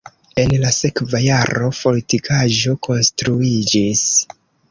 En la sekva jaro fortikaĵo konstruiĝis.